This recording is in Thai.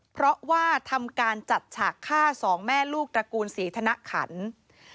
เพราะว่าทำการจัดฉากฆ่าสองแม่ลูกตระกูลศรีธนขันต์